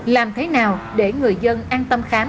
làm thế nào để người dân an tâm khám